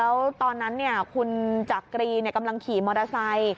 แล้วตอนนั้นคุณจักรีกำลังขี่มอเตอร์ไซค์